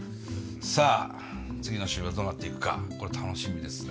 さあ次の週はどうなっていくかこれ楽しみですね。